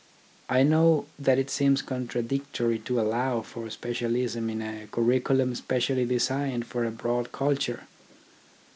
I know that it seems contra dictory to allow for specialism in a curriculum especially designed for a broad culture.